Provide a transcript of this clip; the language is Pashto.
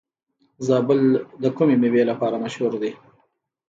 زابل د کومې میوې لپاره مشهور دی؟